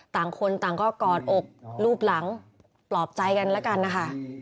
ต่างคนต่างก็กอดอกรูปหลังปลอบใจกันแล้วกันนะคะ